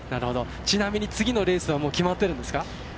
ちなみに次のレースは決まってるんですか？